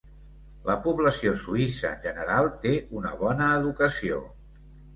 La població suïssa en general té una bona educació.